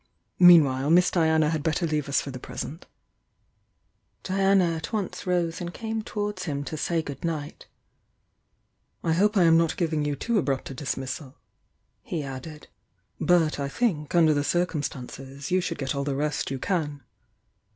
Meanwhile, Miss Diana had bet ter leave us for the present" — Diana at once rose and came towards him to say good ni^t — "I hope I am not giving you too abrupt a dismissal," ne added, "but I think, under the circumstances, you should get all the rest you can."